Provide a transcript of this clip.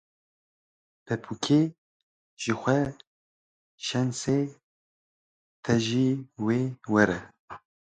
Pepûkê, ji xwe şensê te jî wê were